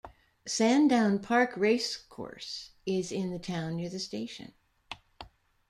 Sandown Park Racecourse is in the town near the station.